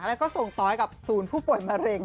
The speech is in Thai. แล้วก็ส่งต่อให้กับศูนย์ผู้ป่วยมะเร็ง